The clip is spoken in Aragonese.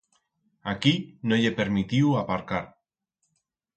Aquí no ye permitiu aparcar!